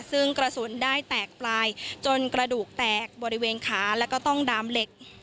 ซึ่งกระสุนได้แตกปลายจนกระดูกแตกบริเวณขาแล้วก็ต้องดามเหล็ก